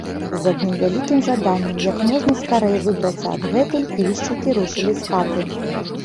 З адным вялікім жаданнем як можна скарэй выбрацца адгэтуль пільшчыкі рушылі з хаты.